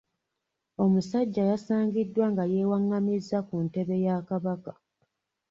Omusajja yasangiddwa nga yewaղղamiza mu ntebe ya Kabaka.